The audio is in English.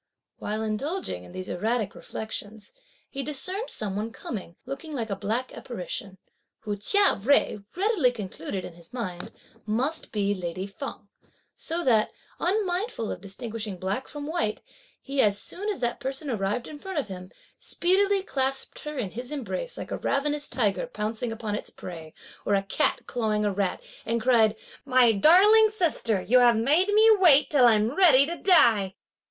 While indulging in these erratic reflections, he discerned some one coming, looking like a black apparition, who Chia Jui readily concluded, in his mind, must be lady Feng; so that, unmindful of distinguishing black from white, he as soon as that person arrived in front of him, speedily clasped her in his embrace, like a ravenous tiger pouncing upon its prey, or a cat clawing a rat, and cried: "My darling sister, you have made me wait till I'm ready to die."